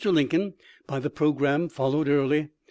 Lincoln by the programme fol lowed Early.